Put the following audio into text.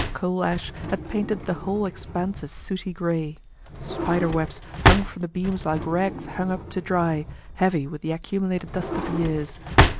Coal ash had painted the whole expanse a sooty grey. Spider webs hung from the beams like rags hung up to dry, heavy with the accumulated dust of years.